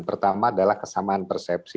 pertama adalah kesamaan persepsi